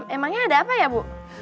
emangnya ada apa ya bu